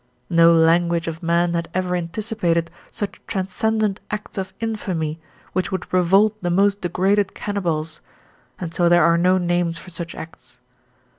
No language of man had ever anticipated such transcendent acts of infamy which would revolt the most degraded cannibals, and so there are no names for such acts.